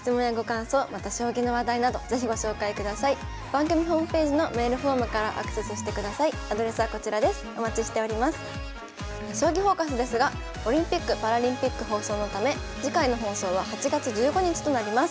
「将棋フォーカス」ですがオリンピックパラリンピック放送のため次回の放送は８月１５日となります。